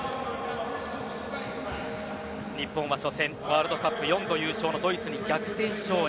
日本は初戦ワールドカップ４度優勝のドイツに逆転勝利。